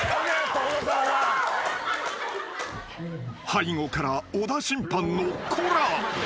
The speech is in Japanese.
［背後から小田審判の「コラ！」